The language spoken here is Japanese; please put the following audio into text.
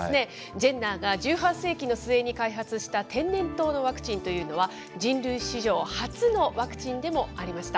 ジェンナーが１８世紀の末に開発した天然痘のワクチンというのは、人類史上、初のワクチンでもありました。